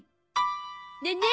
ねえねえ